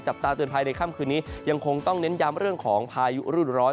ตาเตือนภัยในค่ำคืนนี้ยังคงต้องเน้นย้ำเรื่องของพายุรุ่นร้อน